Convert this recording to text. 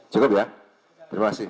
cukup ya terima kasih